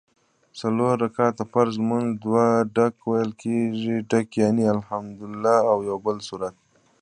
څلور رکعته فرض لمونځ دوه ډک ویل کېږي ډک یعني الحمدوالله او یوبل سورت